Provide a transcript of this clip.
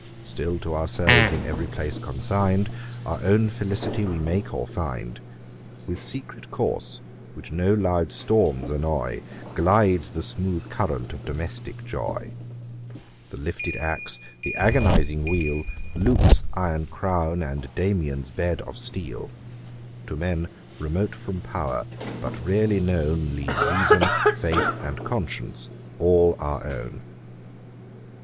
Still to ourselves in every place consign'd, Our own felicity we make or find; With secret course, which no loud storms annoy, Glides the smooth current of domestick joy: The lifted axe, the agonizing wheel, Luke's iron crown, and Damien's bed of steel, To men remote from power, but rarely known, Leave reason, faith, and conscience, all our own.'